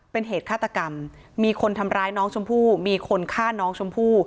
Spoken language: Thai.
เป็นเหตุฆาตกรรมมีคนทำร้ายน้องชมพู่มีคนฆ่าน้องชมพู่